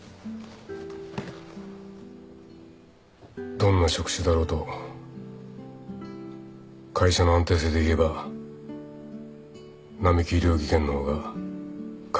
どんな職種だろうと会社の安定性でいえばナミキ医療技研の方が格段に上だ。